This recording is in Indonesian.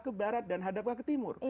ke barat dan hadaplah ke timur